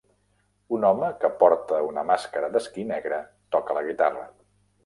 Un home que porta una màscara d'esquí negre toca la guitarra.